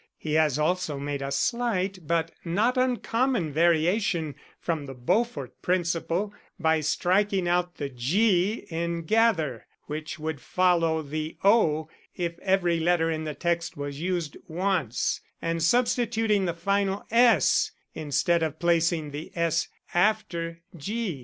He has also made a slight but not uncommon variation from the Beaufort principle by striking out the 'G' in 'gather,' which would follow the 'O' if every letter in the text was used once, and substituting the final S, instead of placing the 'S' after 'G.'